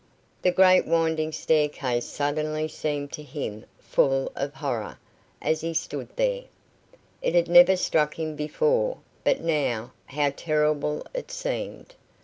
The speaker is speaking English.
That great winding staircase suddenly seemed to him full of horror, as he stood there. It had never struck him before, but now, how terrible it seemed.